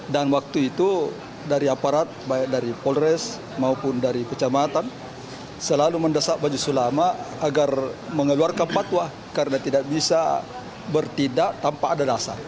dan waktu itu dari aparat baik dari polres maupun dari pecamatan selalu mendesak baju sulama agar mengeluarkan patuah karena tidak bisa bertindak tanpa ada dasar